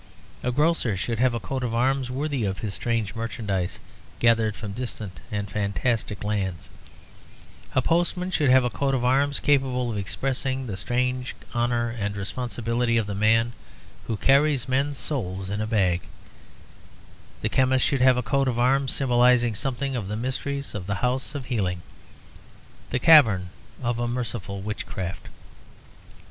A grocer should have a coat of arms worthy of his strange merchandise gathered from distant and fantastic lands; a postman should have a coat of arms capable of expressing the strange honour and responsibility of the man who carries men's souls in a bag; the chemist should have a coat of arms symbolizing something of the mysteries of the house of healing, the cavern of a merciful witchcraft.